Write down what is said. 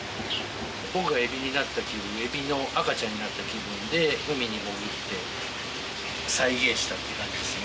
僕がエビになった気分エビの赤ちゃんになった気分で海に潜って再現したって感じですね。